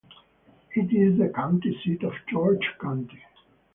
It is the county seat of George County.